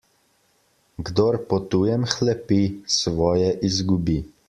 Kdor po tujem hlepi, svoje izgubi.